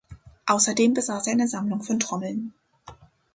Außerdem besaß er eine Sammlung von Trommeln.